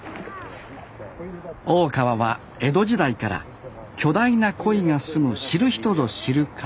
大川は江戸時代から巨大なコイが住む知る人ぞ知る川